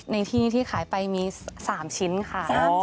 ในที่ที่ขายไปมี๓ชิ้นค่ะ